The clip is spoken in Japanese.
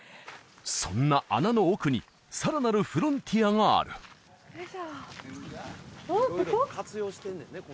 そんな穴の奥にさらなるフロンティアがあるよいしょおっここ？